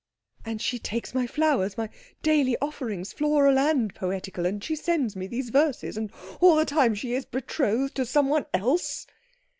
"And she takes my flowers my daily offerings, floral and poetical, and she sends me these verses and all the time she is betrothed to someone else?"